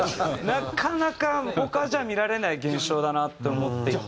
なかなか他じゃ見られない現象だなって思っていて。